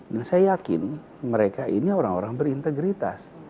dan saya yakin mereka ini orang orang berintegritas